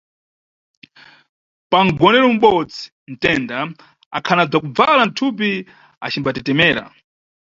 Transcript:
Pa nʼgonero ubodzi mtenda akhana bzakubvala mthupi acimbatetemera.